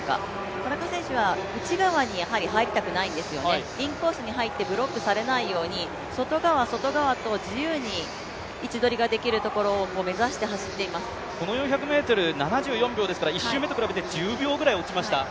田中選手は内側に入りたくないんですよね、インコースに入ってブロックされないように外側、外側と自由に位置取りができるところをこの４００ｍ７８秒ですから１周目と比べて１０秒くらい落ちました。